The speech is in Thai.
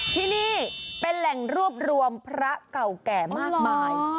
ที่นี่เป็นแหล่งรวบรวมพระเก่าแก่มากมาย